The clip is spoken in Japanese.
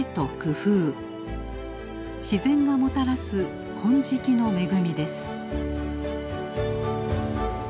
自然がもたらす金色の恵みです。